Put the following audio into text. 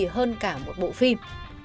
hơn cả một bộ phim